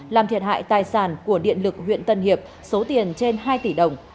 làm thiệt hại tài sản của điện lực huyện tân hiệp số tiền trên hai tỷ đồng